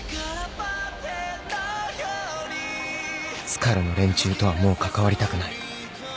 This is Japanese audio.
スカルの連中とはもう関わりたくない